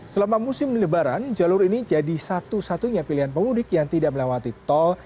selama musim lebaran jalur ini jadi satu satunya pilihan pemudik yang tidak melewati tol